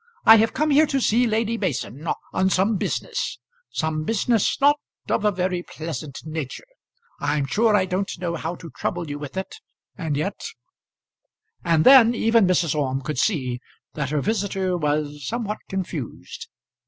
"I have come here to see Lady Mason on some business some business not of a very pleasant nature. I'm sure I don't know how to trouble you with it, and yet " And then even Mrs. Orme could see that her visitor was somewhat confused.